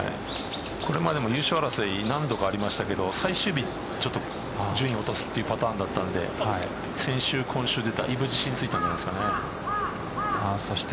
これまでも優勝争い何度かありましたけど最終日ちょっと順位を落とすというパターンだったんで先週、今週でだいぶ自信ついたんじゃそして